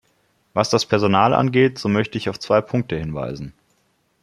Was das Personal angeht, so möchte ich auf zwei Punkte hinweisen.